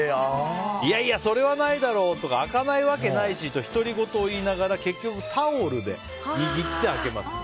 いやいや、それはないだろうとか開かないわけないしと独り言を言いながら結局タオルで握って開けました。